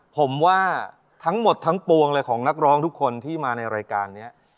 ผมว่าทั้งหมดทั้งปวงเลยของนักร้องทุกคนที่มาในรายการนี้